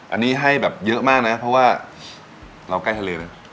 อันนี้ให้แบบเยอะมากนะเพราะว่าเราใกล้ทะเลไหม